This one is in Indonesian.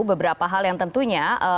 beberapa hal yang tentunya